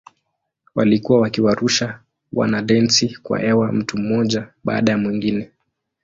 Walikuwa wakiwarusha wanadensi kwa hewa mtu mmoja baada ya mwingine.